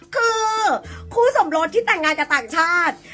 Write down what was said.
คือคู่สมรสที่แต่งงานกับต่างชาติ